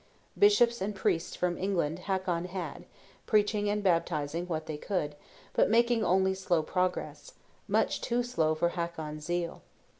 Bishops and priests from England Hakon had, preaching and baptizing what they could, but making only slow progress; much too slow for Hakon's zeal.